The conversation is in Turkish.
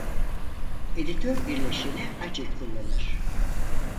Editör bileşeni Ace kullanır.